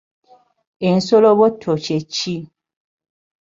Ensolobotto kye ki?